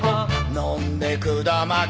「飲んでくだまき」